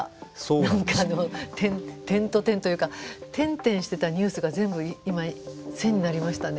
何か点と点というか点々してたニュースが全部今線になりましたね。